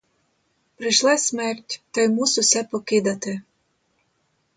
Прийшла смерть, та й мус усе покидати!